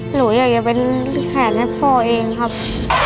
หนูอยากจะเป็นแขนให้พ่อเองครับ